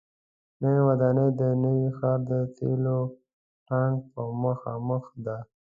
نوې ودانۍ د نوي ښار د تیلو ټانک پر مخامخ ده.